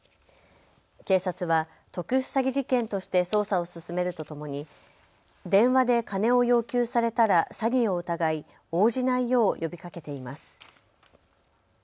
警察は特殊詐欺事件として捜査を進めるとともに電話で金を要求されたら詐欺を疑い、応じないよう呼びかけています。